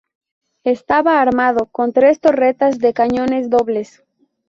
Estaba armado con tres torretas de cañones dobles.